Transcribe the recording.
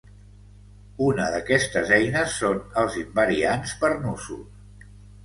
Una d'aquestes eines són els invariants per nusos.